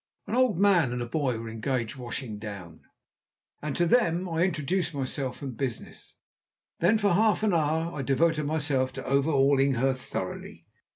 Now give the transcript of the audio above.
An old man and a boy were engaged washing down, and to them I introduced myself and business. Then for half an hour I devoted myself to overhauling her thoroughly.